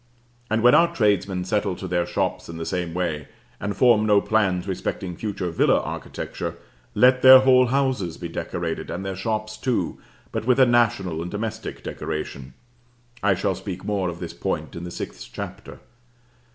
And when our tradesmen settle to their shops in the same way, and form no plans respecting future villa architecture, let their whole houses be decorated, and their shops too, but with a national and domestic decoration (I shall speak more of this point in the sixth chapter).